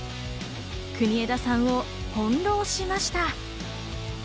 国枝さんを翻弄しました。